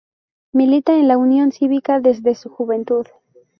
Milita en la Unión Cívica desde su juventud.